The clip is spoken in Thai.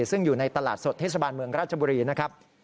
ซึ่งอยู่ในตลาดสดเทศบาลเมืองราชบุรีนะครับ